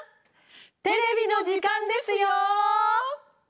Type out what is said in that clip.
テレビの時間ですよ！